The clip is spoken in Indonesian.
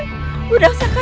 kaga usah mishap ya